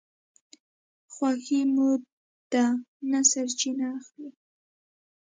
خوښي مو ده نه سرچینه اخلي